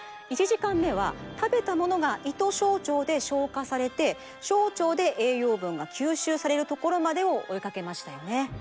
１時間目は食べた物が胃と小腸で消化されて小腸で栄養分が吸収されるところまでを追いかけましたよね。